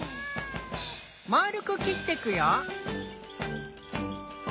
丸く切ってくよ！